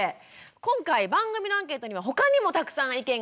今回番組のアンケートには他にもたくさん意見が寄せられました。